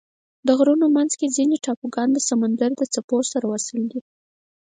د غرونو منځ کې ځینې ټاپوګان د سمندر د څپو سره وصل دي.